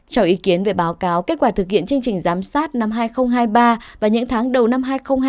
cho ý kiến về báo cáo kết quả thực hiện chương trình giám sát năm hai nghìn hai mươi ba và những tháng đầu năm hai nghìn hai mươi bốn